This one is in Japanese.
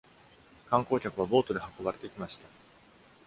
観光客はボートで運ばれてきました。